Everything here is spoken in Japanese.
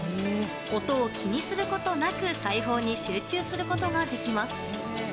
音を気にすることなく裁縫に集中することができます。